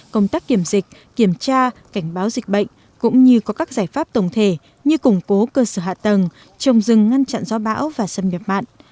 công tác kiểm dịch kiểm tra cảnh báo dịch bệnh cũng như có các giải pháp tổng thể như củng cố cơ sở hạ tầng trồng rừng ngăn chặn gió bão và xâm nhập mặn